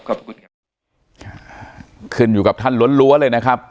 ขอบคุณครับขึ้นอยู่กับท่านล้วนล้วนเลยนะครับ